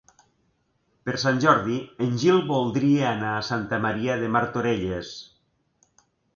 Per Sant Jordi en Gil voldria anar a Santa Maria de Martorelles.